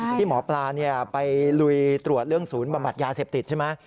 ที่หมอปลาไปลุยตรวจเรื่องศูนย์บำบัดยาเสพติดใช่ไหม